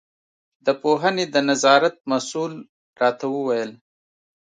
د پوهنې د نظارت مسوول راته وویل.